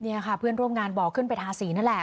นี่ค่ะเพื่อนร่วมงานบอกขึ้นไปทาสีนั่นแหละ